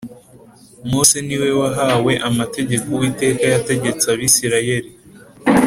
Mose niwe wahawe amategeko Uwiteka yategetse Abisirayeli